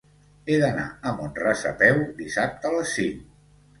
He d'anar a Mont-ras a peu dissabte a les cinc.